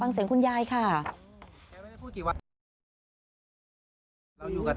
ตัวเองก็คอยดูแลพยายามเท็จตัวให้ตลอดเวลา